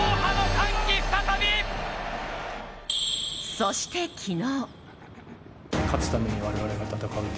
そして、昨日。